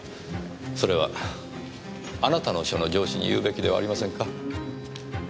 それはあなたの署の上司に言うべきではありませんか？